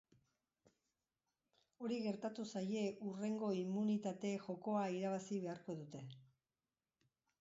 Hori gertatu zaie hurrengo immunitate-jokoa irabazi beharko dute.